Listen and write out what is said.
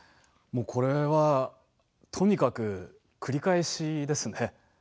これは、とにかく繰り返しですね。